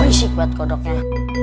oh risik buat kodoknya